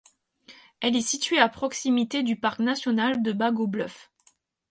Elle est située à proximité du parc national de Bago Bluff.